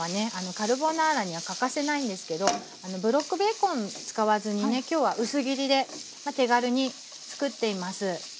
カルボナーラには欠かせないんですけどブロックベーコン使わずに今日は薄切りで手軽に作っています。